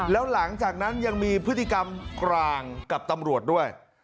แล้วหลังจากนั้นยังมีพฤติกรรมกลางกับตำรวจด้วย